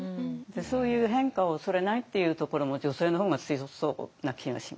そういう変化を恐れないっていうところも女性の方が強そうな気がします。